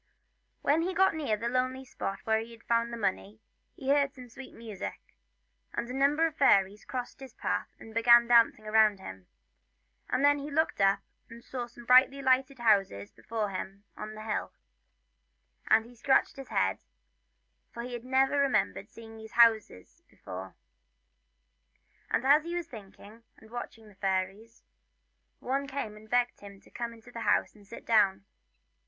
When he got near the lonely spot where he had found the money he heard some sweet music, and a number of fairies crossed his path and began dancing all round him, and then as he looked up he saw some brightly lighted houses before him on the hill ; and he scratched his head, for he never remembered having seen houses thereabouts before. And as he Old G 'wily in. 1 3 was thinking, and watching the fairies, one came and begged him to come into the house and sit down.